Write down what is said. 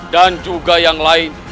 dan juga yang lain